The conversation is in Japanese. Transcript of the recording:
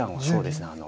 そうですね。